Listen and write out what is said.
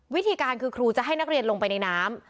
วิธีการคือครูจะให้นักเรียนลงไปในน้ำ